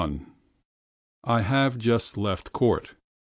I have just left court.